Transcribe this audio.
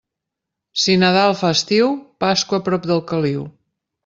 Si Nadal fa estiu, Pasqua prop del caliu.